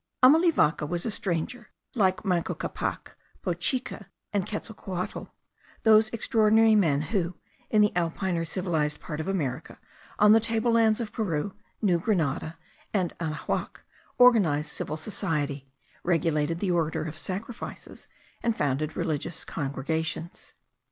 Amalivaca was a stranger, like Manco Capac, Bochica, and Quetzalcohuatl; those extraordinary men, who, in the alpine or civilized part of America, on the tablelands of Peru, New Grenada, and Anahuac, organized civil society, regulated the order of sacrifices, and founded religious congregations.